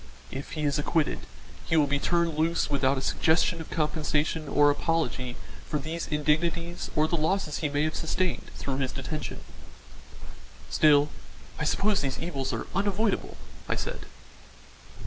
If he is acquitted, he will be turned loose without a suggestion of compensation or apology for these indignities or the losses he may have sustained through his detention." "Still I suppose these evils are unavoidable," I said.